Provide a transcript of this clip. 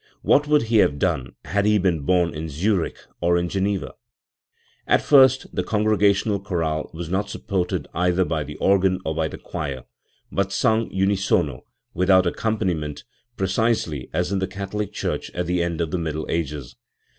What would he have done had he been born in Zurich or in Geneva? At first, then, the congregational chorale was not sup ported either by the organ or by the choir, but sung umsono without accompaniment, precisely as in the Catholic church at the end of the Middle Ages.